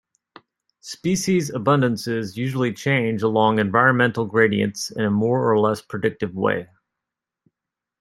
Species abundances usually change along environmental gradients in a more or less predictive way.